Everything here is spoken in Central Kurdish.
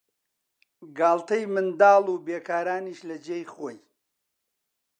گاڵتەی منداڵ و بیکارانیش لە جێی خۆی